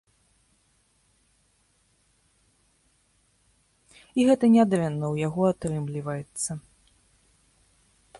І гэта нядрэнна ў яго атрымліваецца.